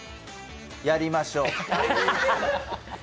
やりましょう。